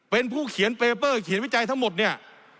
เป็นผู้เขียนเปเปอร์เขียนวิจัยทั้งหมดเนี่ย